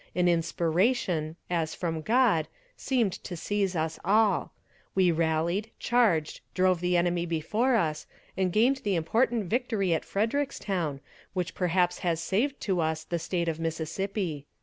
An inspiration, as from God, seemed to seize us all; we rallied, charged, drove the enemy before us, and gained the important victory at Frederickstown, which perhaps has saved to us the State of Mississippi."